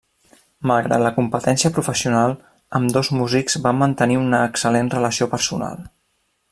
Malgrat la competència professional, ambdós músics van mantenir una excel·lent relació personal.